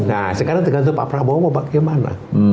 nah sekarang tergantung pak prabowo mau bagaimana